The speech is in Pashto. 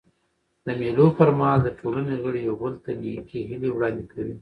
د مېلو پر مهال د ټولني غړي یو بل ته نېکي هیلي وړاندي کوي.